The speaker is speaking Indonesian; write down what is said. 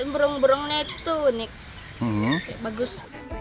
burung burungnya itu unik bagus